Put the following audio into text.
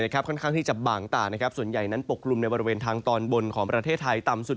ค่อนข้างที่จะบางตาส่วนใหญ่นั้นปกลุ่มในบริเวณทางตอนบนของประเทศไทยต่ำสุด